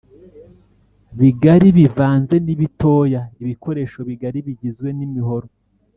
bigari bivanze n ibitoya Ibikoresho bigari bigizwe n imihoro